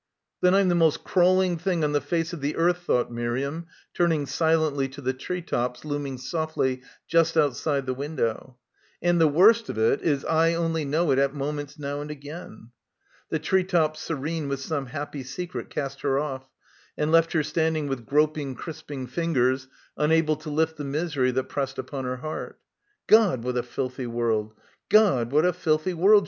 "Then I'm the most crawling thing on the face of the earth," thought Miriam, turning silently to the tree tops looming softly just out side the window; "and the worst of it is I only know it at moments now and again." The tree tops serene with some happy secret cast her off, and left her standing with groping crisping fingers unable to lift the misery they pressed upon her heart. "God, what a filthy world! God what a filthy world!"